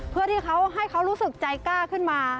เพื่อที่เขาให้เขารู้สึกใจกล้าขึ้นมา